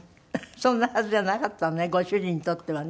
そんなはずじゃなかったのねご主人にとってはね。